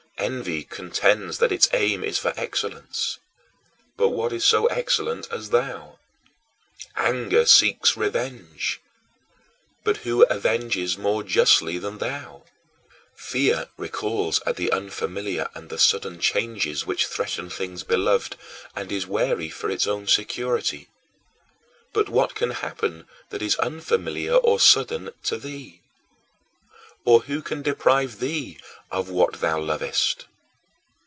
Envy contends that its aim is for excellence; but what is so excellent as thou? Anger seeks revenge; but who avenges more justly than thou? Fear recoils at the unfamiliar and the sudden changes which threaten things beloved, and is wary for its own security; but what can happen that is unfamiliar or sudden to thee? Or who can deprive thee of what thou lovest?